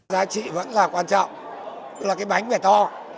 giá trị vẫn là quan trọng là cái bánh vẻ to